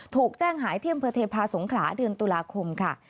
ถูกแจ้งหายที่อำเภอเทพาสงขลาเดือนตุลาคมค่ะ